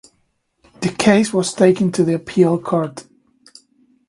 The case was taken to the Appeal court.